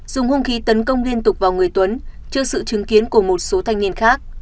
dùng hung khí tấn công liên tục vào người tuấn trước sự chứng kiến của một số thanh niên khác